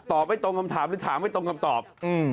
ไม่ตรงคำถามหรือถามไม่ตรงคำตอบ